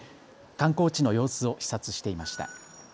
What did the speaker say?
観光地の様子を視察していました。